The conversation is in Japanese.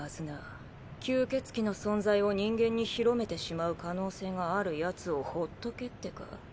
吸血鬼の存在を人間に広めてしまう可能性があるやつをほっとけってか？